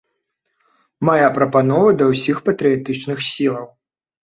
Мая прапанова да ўсіх патрыятычных сілаў.